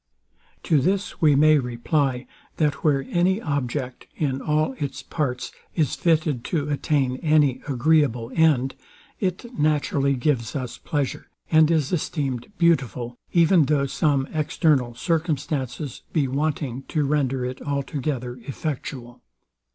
To this we may reply, that where any object, in all its parts, is fitted to attain any agreeable end, it naturally gives us pleasure, and is esteemed beautiful, even though some external circumstances be wanting to render it altogether effectual.